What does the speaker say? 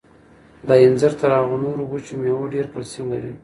دا انځر تر هغو نورو وچو مېوو ډېر کلسیم لري.